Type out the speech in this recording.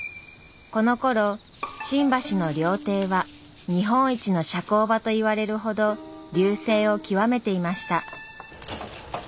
このころ新橋の料亭は日本一の社交場といわれるほど隆盛を極めていました。